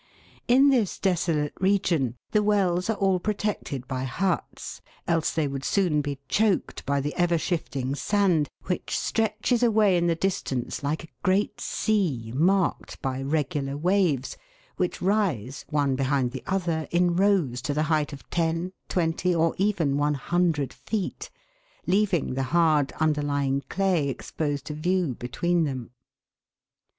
In this desolate region the wells are all protected by huts, else they would soon be choked by the ever shifting sand, which stretches away in the distance like a great sea marked by regular waves; which rise, one behind the other in rows, to the height of ten, twenty, or even one hundred feet, leaving the hard under lying clay exposed to view be tween them.